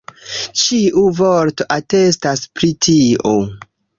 Ĉiu vorto atestas pri tio.